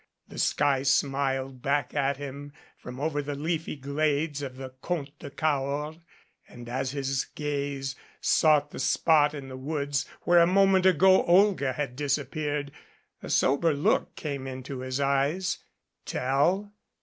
The sky smiled back at him from over the leafy glades of the Comte de Cahors, and, as his gaze sought the spot in the woods where a moment ago Olga had dis appeared, a sober look came into his eyes. Tell?